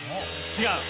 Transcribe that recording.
違う。